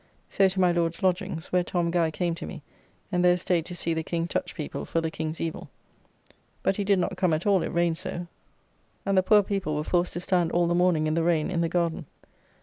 So to my Lord's lodgings, where Tom Guy came to me, and there staid to see the King touch people for the King's evil. But he did not come at all, it rayned so; and the poor people were forced to stand all the morning in the rain in the garden.